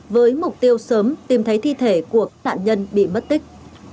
với mục tiêu sớm tìm thấy thi thể của nạn nhân bị mất tích